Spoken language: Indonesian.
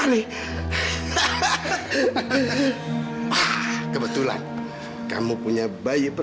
mas apa tidak cukup